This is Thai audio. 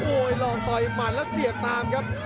โอ้ยลองต่อยมันแล้วเสียงตามครับ